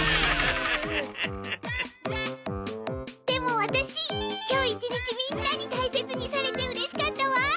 でもワタシ今日一日みんなにたいせつにされてうれしかったわ！